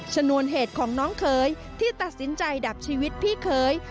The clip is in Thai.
ชนวนเหตุของน้องเขยที่ตัดสินใจดับชีวิตพี่เคย